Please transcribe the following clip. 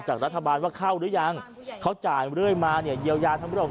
จากรัฐบาลว่าเข้าหรือยังเขาจ่ายเรื่อยมาเนี่ยเยียวยาทั้งเรื่อง